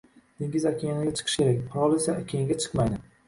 Dengiz okeanga chiqishi kerak. Orol esa, okeanga chiqmaydi.